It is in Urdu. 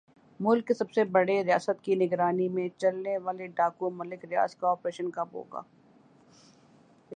ملک کے سب سے بڑے ریاست کی نگرانی میں چلنے والے ڈاکو ملک ریاض کا آپریشن کب ھوگا